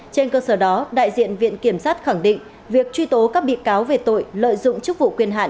trên cơ sở đó đại diện viện kiểm sát khẳng định việc truy tố các bị cáo về tội lợi dụng chức vụ quyền hạn